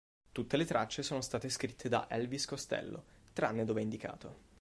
Tutte le tracce sono state scritte da Elvis Costello, tranne dove indicato.